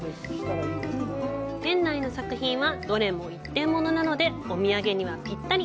店内の作品はどれも一点物なのでお土産にはぴったり！